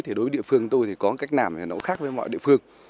thì đối với địa phương tôi thì có cách làm này nó khác với mọi địa phương